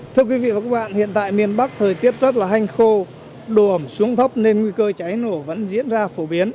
thưa quý vị và các bạn hiện tại miền bắc thời tiết rất là hanh khô độ ẩm xuống thấp nên nguy cơ cháy nổ vẫn diễn ra phổ biến